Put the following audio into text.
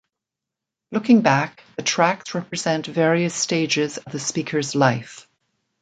Looking back, the tracks represent various stages of the speaker's life.